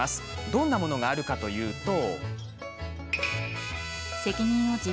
どんなものがあるかというと。